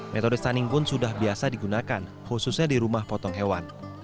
metode stunning pun sudah biasa digunakan khususnya di rumah potong hewan